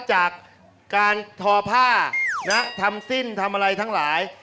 จากการทอผ้าทำสิ้นทำอะไรทั้งหลาย